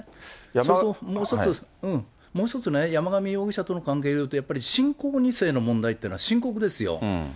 それともう一つね、山上容疑者との関係で言うと、やっぱり信仰２世の問題っていうのは深刻ですよ。